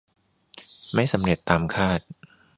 ไม่เสร็จตามคาด